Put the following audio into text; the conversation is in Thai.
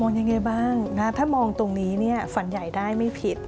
มองอย่างไรบ้างถ้ามองตรงนี้ฝันใหญ่ได้ไม่ผิด